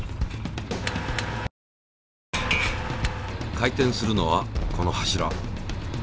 回転するのはこの柱。